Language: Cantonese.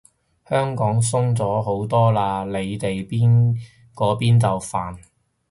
香港鬆咗好多嘞，你哋嗰邊就煩